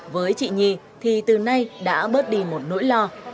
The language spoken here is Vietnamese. với chị nhi thì từ nay đã bớt đi một nỗi lo